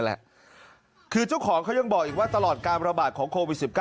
แหละคือเจ้าของเขายังบอกอีกว่าตลอดการระบาดของโควิด๑๙